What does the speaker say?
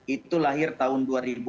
itu lahir tahun dua ribu